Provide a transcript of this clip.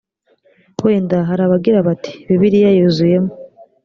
wenda hari abagira bati bibiliya yuzuyemo